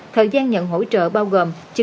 thời gian nhận hỗ trợ bao gồm